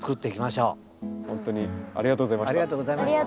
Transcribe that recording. ほんとにありがとうございました。